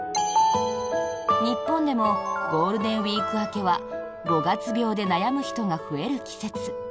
日本でもゴールデンウィーク明けは五月病で悩む人が増える季節。